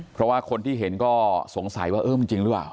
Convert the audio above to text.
เพราะว่าคนที่เห็นก็สงสัยว่าเออมันจริงหรือเปล่า